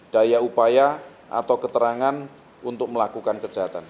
daya upaya atau keterangan untuk melakukan kejahatan